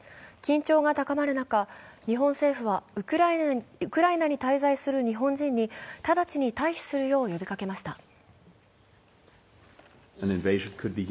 緊張が高まる中、日本政府はウクライナに滞在する日本人に直ちに退避するよう呼びかけました。